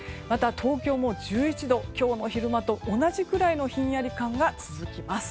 東京も１１度と今日の昼間と同じくらいのひんやり感が続きます。